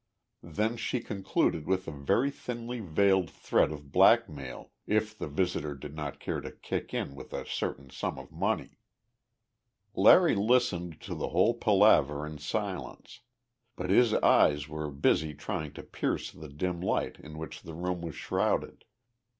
Then she concluded with a very thinly veiled threat of blackmail if the visitor did not care to kick in with a certain sum of money. Larry listened to the whole palaver in silence, but his eyes were busy trying to pierce the dim light in which the room was shrouded.